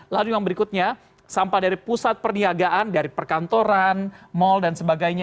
lalu yang berikutnya sampah dari pusat perniagaan dari perkantoran mal dan sebagainya